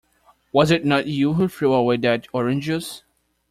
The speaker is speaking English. Was it not you who threw away that orange juice?